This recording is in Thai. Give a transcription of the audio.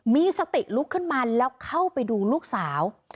มีสติลุกขึ้นมาแล้วเข้าไปดูลูกสาว